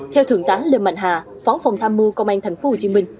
theo thượng tá lê mạnh hà phó phòng tham mưu công an tp hcm